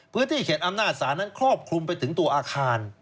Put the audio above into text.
เขตอำนาจศาลนั้นครอบคลุมไปถึงตัวอาคาร